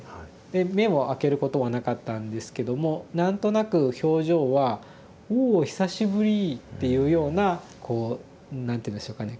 で目をあけることはなかったんですけども何となく表情は「おお久しぶり」っていうようなこう何て言うんでしょうかね